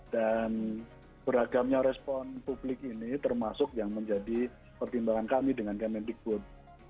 dan beragamnya respon publik ini termasuk yang menjadi pertimbangan kami dengan kemendikbud